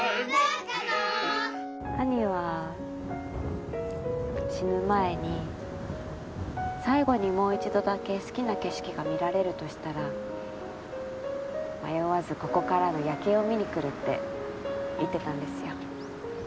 「兄は死ぬ前に最後にもう一度だけ好きな景色が見られるとしたら迷わずここからの夜景を見に来るって言ってたんですよ」